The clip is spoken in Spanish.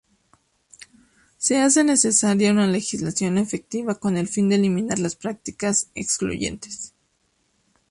Se hace necesaria una legislación efectiva con el fin de eliminar las prácticas excluyentes.